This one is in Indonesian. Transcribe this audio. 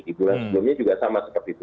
di bulan sebelumnya juga sama seperti itu